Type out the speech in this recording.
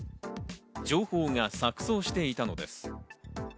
情報が錯綜していたのです。